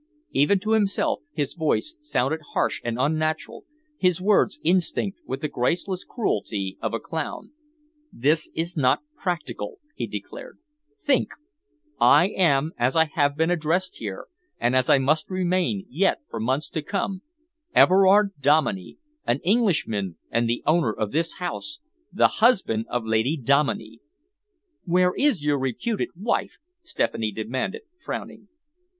Even to himself his voice sounded harsh and unnatural, his words instinct with the graceless cruelty of a clown. "This is not practical," he declared. "Think! I am as I have been addressed here, and as I must remain yet for months to come Everard Dominey, an Englishman and the owner of this house the husband of Lady Dominey." "Where is your reputed wife?" Stephanie demanded, frowning.